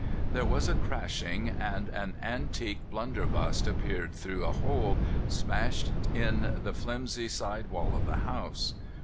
There was a crashing, and an antique blunderbuss appeared through a hole smashed in the flimsy side wall of the house.